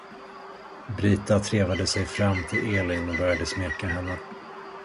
Brita trevade sig fram till Elin och började smeka henne.